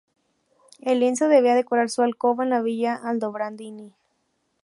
El lienzo debía decorar su alcoba en la Villa Aldobrandini.